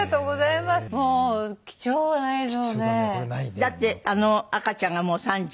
だってあの赤ちゃんがもう３０？